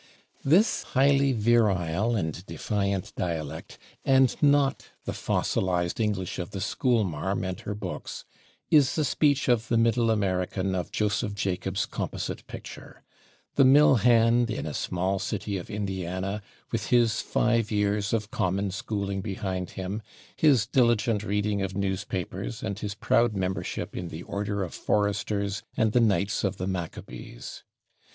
This highly virile and defiant dialect, and not the fossilized English of the school marm and her books, is the speech of the Middle American of Joseph Jacobs' composite picture the mill hand in a small city of Indiana, with his five years of common schooling behind him, his diligent reading of newspapers, and his proud membership in the Order of Foresters and the Knights of the Maccabees.